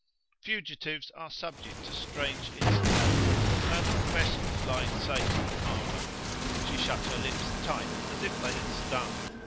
Fugitives are subject to strange incidents; they are not vessels lying safe in harbour. She shut her lips tight, as if they had stung.